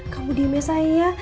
kamu diem ya sayang ya